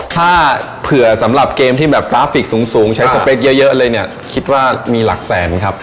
ถ้าเผื่อสำหรับเกมที่แบบกราฟิกสูงใช้สเปคเยอะเลยเนี่ยคิดว่ามีหลักแสนครับ